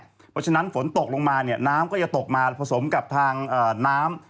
เพราะฉะนั้นฝนตกลงมาเนี่ยน้ำก็จะตกมาผสมกับทางน้ำ